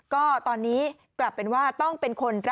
ก็ตอนนี้กลับเป็นว่าต้องเป็นคนรัก